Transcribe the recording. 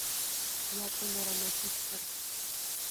Ятӏонэрэ мэфипшӏыр.